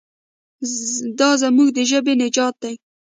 دا زموږ د ژبې نجات دی.